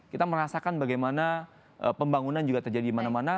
kita merasakan bagaimana pembangunan juga terjadi di mana mana